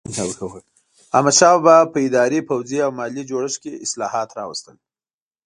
احمدشاه بابا په اداري، پوځي او مالي جوړښت کې اصلاحات راوستل.